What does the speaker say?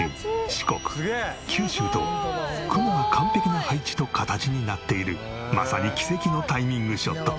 四国九州と雲が完璧な配置と形になっているまさに奇跡のタイミングショット。